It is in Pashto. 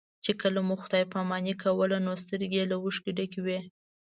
چې کله مو خدای پاماني کوله نو سترګې یې له اوښکو ډکې وې.